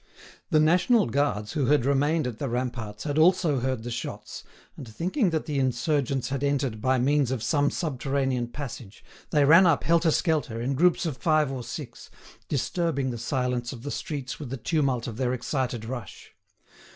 The national guards who had remained at the ramparts had also heard the shots, and thinking that the insurgents had entered by means of some subterranean passage, they ran up helter skelter, in groups of five or six, disturbing the silence of the streets with the tumult of their excited rush.